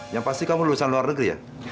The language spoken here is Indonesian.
yang pasti kamu lulusan luar negeri ya